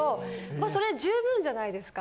もうそれ十分じゃないですか。